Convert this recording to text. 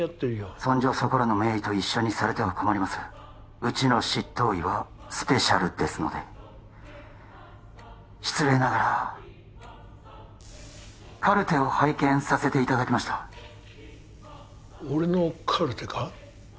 そんじょそこらの名医と一緒にされては困りますうちの執刀医はスペシャルですので失礼ながらカルテを拝見させていただきました俺のカルテか？